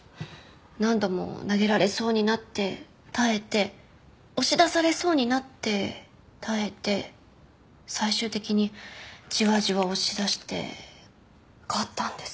何度も投げられそうになって耐えて押し出されそうになって耐えて最終的にじわじわ押し出して勝ったんです。